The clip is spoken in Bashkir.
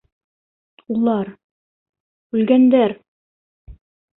Улар... үлгәндәр!